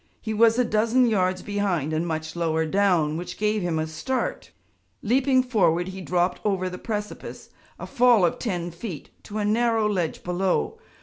He was a dozen yards behind and much lower down, which gave him a start. Leaping forward, he dropped over the precipice, a fall of ten feet, to a narrow ledge below.